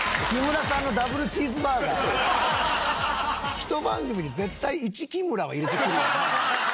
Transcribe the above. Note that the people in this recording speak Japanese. １番組に絶対１木村は入れてくるよね。